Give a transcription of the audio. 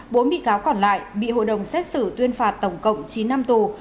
bốn bị cáo còn lại bị hội đồng xét xử tuyên phạt tổng cộng chín năm tù